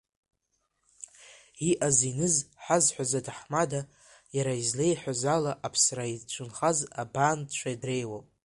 Иҟаз-иныз ҳазҳәоз аҭаҳмада, иара излеиҳәоз ала, аԥсра иацәынхаз абаандцәа дреиуоуп.